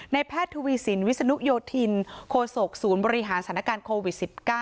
แพทย์ทวีสินวิศนุโยธินโคศกศูนย์บริหารสถานการณ์โควิด๑๙